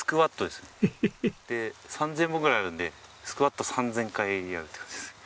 で３０００本ぐらいあるのでスクワット３０００回やるって感じですね。